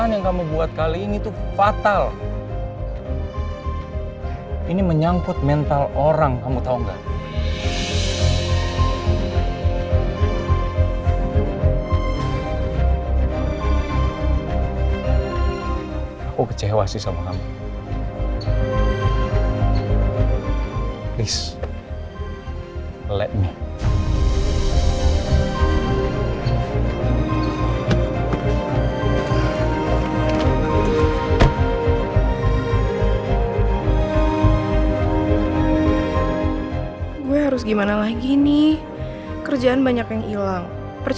jangan lupa like share dan subscribe